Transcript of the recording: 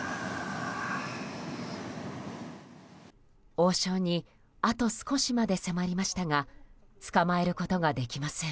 王将にあと少しまで迫りましたがつかまえることができません。